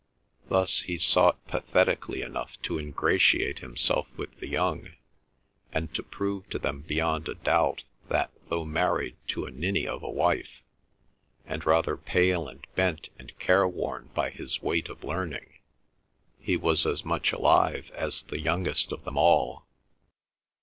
Thus he sought pathetically enough to ingratiate himself with the young, and to prove to them beyond a doubt that though married to a ninny of a wife, and rather pale and bent and careworn by his weight of learning, he was as much alive as the youngest of them all.